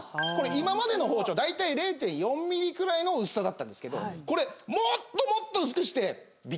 今までの包丁だいたい０．４ｍｍくらいの薄さだったんですけどこれもっともっと薄くしてびっくりです。